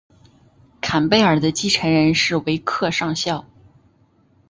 坎贝尔的继承人是维克上校。